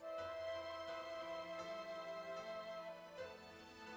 tidak ada raya